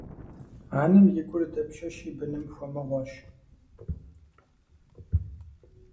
Анэм и гур дапщэщи быным хуэмыгъуэщ.